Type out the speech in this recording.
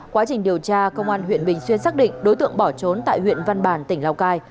quá trình điều tra công an huyện bình xuyên xác định đối tượng bỏ trốn tại huyện văn bàn tỉnh lào cai